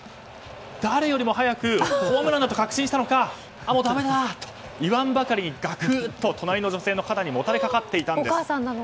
誰よりも早くホームランだと確信したのかああ、だめだと言わんばかりにがっくりと隣の女性の肩にもたれかかっていたんです。